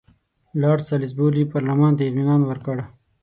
لارډ سالیزبوري پارلمان ته اطمینان ورکړ.